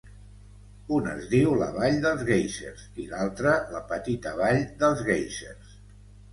Un es diu la vall dels Guèisers, i l'altre la Petita vall dels Guèisers.